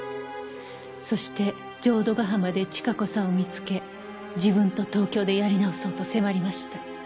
「そして浄土ヶ浜で千加子さんを見付け自分と東京でやり直そうと迫りました」